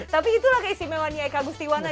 tapi itulah keistimewaan eka agustiwana